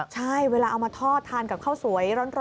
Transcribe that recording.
ใช่เวลาเอามาทอดทานกับข้าวสวยร้อน